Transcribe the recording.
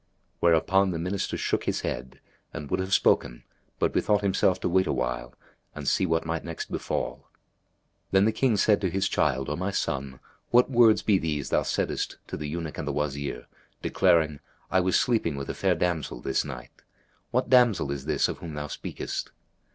Hereupon the Minister shook his head and would have spoken, but bethought himself to wait awhile and see what might next befal. Then the King said to his child, "O my son, what words be these thou saddest to the eunuch and the Wazir, declaring, 'I was sleeping with a fair damsel this night?'[FN#276] What damsel is this of whom thou speakest?"